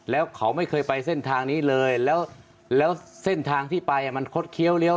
แล้วเขาไม่เคยไปเส้นทางนี้เลยแล้วเส้นทางที่ไปมันคดเคี้ยวเลี้ย